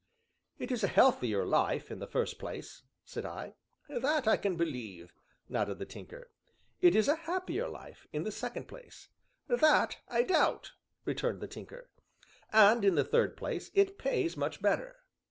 "It is a healthier life, in the first place," said I. "That, I can believe," nodded the Tinker. "It is a happier life, in the second place." "That, I doubt," returned the Tinker. "And, in the third place, it pays much better."